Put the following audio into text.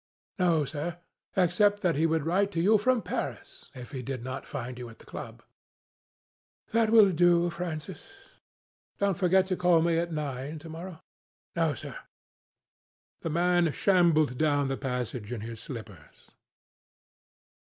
"No, sir, except that he would write to you from Paris, if he did not find you at the club." "That will do, Francis. Don't forget to call me at nine to morrow." "No, sir." The man shambled down the passage in his slippers.